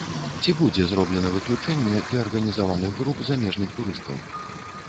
Ці будзе зроблена выключэнне для арганізаваных груп замежных турыстаў?